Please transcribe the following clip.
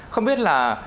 không biết là